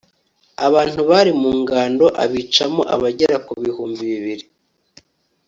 abantu bari mu ngando abicamo abagera ku bihumbi bibiri